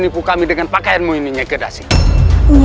siapa nyai subang larang yang mengincar kematianmu